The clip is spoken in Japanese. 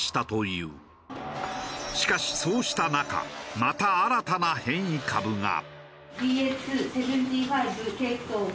しかしそうした中また新たな変異株が。